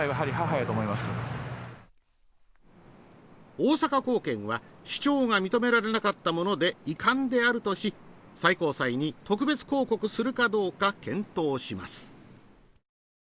大阪高検は主張が認められなかったもので遺憾であるとし最高裁に特別抗告するかどうか検討します。